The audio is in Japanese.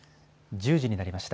１０時になりました。